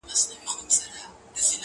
کله ورور کله مو زوی راته تربوری دی؛